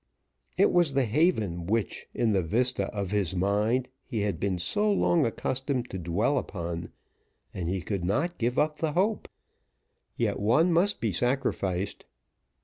It was the haven which, in the vista of his mind, he had been so long accustomed to dwell upon, and he could not give up the hope. Yet one must be sacrificed.